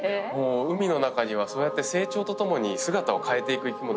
海の中には成長とともに姿を変えていく生き物